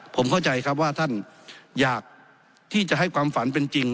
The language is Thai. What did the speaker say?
ผมเข้าใจครับว่าท่านอยากที่จะให้ความฝันเป็นจริง